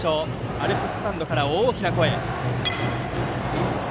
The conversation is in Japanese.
アルプススタンドから大きな声。